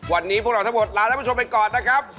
วันนี้พวกเราทั้งหมดลาท่านผู้ชมไปก่อนนะครับ